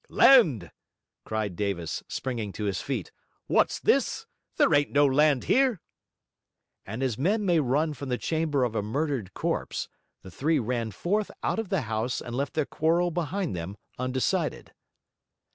'Land!' cried Davis, springing to his feet. 'What's this? There ain't no land here.' And as men may run from the chamber of a murdered corpse, the three ran forth out of the house and left their quarrel behind them, undecided.